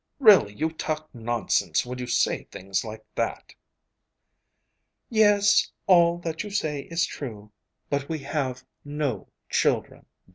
Really you talk nonsense when you say things like that!' 'Yes, all that you say is true, but we have no children.